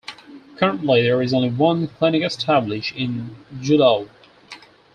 Currently, there is only one clinic established in Julau.